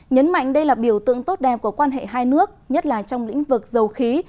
nhấn mạnh đây là biểu tượng tốt đẹp của quan hệ hai nước nhất là trong lĩnh vực dầu khí